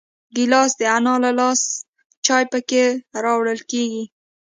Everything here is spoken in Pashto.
ګیلاس د انا له لاسه چای پکې راوړل کېږي.